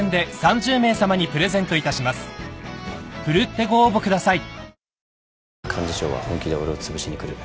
［奮ってご応募ください］